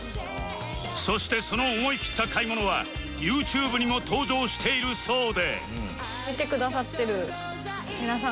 そしてその思い切った買い物はユーチューブにも登場しているそうで